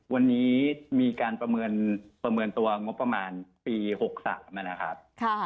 วันนี้มีการประเมินตัวงบประมาณปี๖๓นะครับ